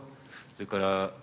それから。